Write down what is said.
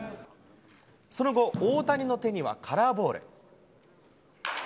その後、大谷の手にはカラーボール。